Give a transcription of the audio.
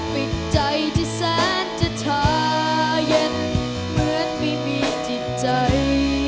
ปิดใจที่แสนจะทาเย็นเหมือนไม่มีจิตใจ